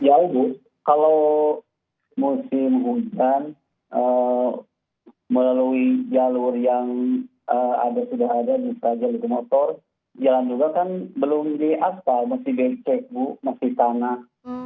ya ibu kalau musim hujan melalui jalur yang sudah ada di stajial di motor jalan juga kan belum di asfal masih becek masih tanah